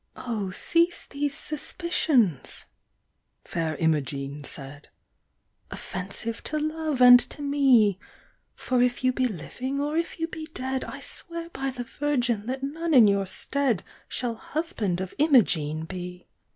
"Oh cease these suspicions," Fair Imogene said. "Offensive to love and to me; For if you be living, or if you be dead, I swear by the Virgin that none in your stead, Shall husband of Imogene be.